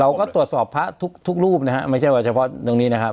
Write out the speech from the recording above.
เราก็ตรวจสอบพระทุกรูปนะฮะไม่ใช่ว่าเฉพาะตรงนี้นะครับ